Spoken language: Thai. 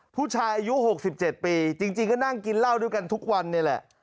ผู้ชายอายุ๖๗ปีจริงก็นั่งกินเหล้าด้วยกันทุกวันนี่แหละ